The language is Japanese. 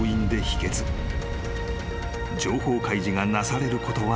［情報開示がなされることはなかった］